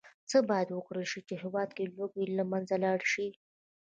څه باید وکرل شي، چې هېواد کې لوږه له منځه لاړه شي.